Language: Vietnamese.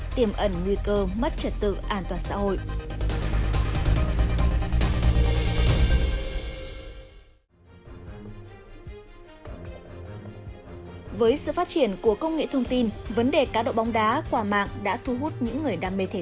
tiềm ẩn nguy cơ mất trật tự an toàn xã hội